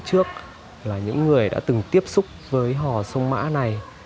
trước là những người đã từng tiếp xúc với hò sông mã này